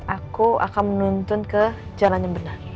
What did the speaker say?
aku akan menuntun ke jalan yang benar